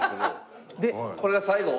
これが最後？